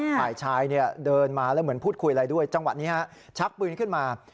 ฝ่ายชายเนี่ยเดินมาแล้วเหมือนพูดคุยอะไรด้วยจังหวะนี้ฮะชักปืนขึ้นมา